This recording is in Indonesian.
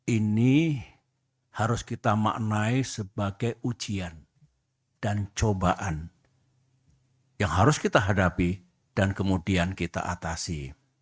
ini harus kita maknai sebagai ujian dan cobaan yang harus kita hadapi dan kemudian kita atasi